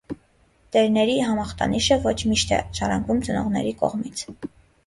Տերների համախտանիշը ոչ միշտ է ժառանգվում ծնողների կողմից։